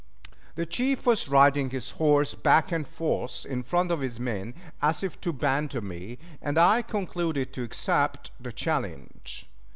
The chief was riding his horse back and forth in front of his men as if to banter me, and I concluded to accept the challenge.